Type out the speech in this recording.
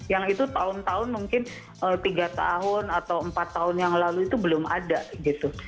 yang itu tahun tahun mungkin tiga tahun atau empat tahun yang lalu itu belum ada gitu